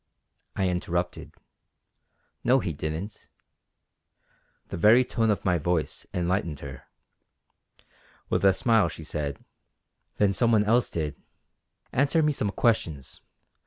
I interrupted: "No he didn't." The very tone of my voice enlightened her. With a smile she said: "Then some one else did. Answer me some questions.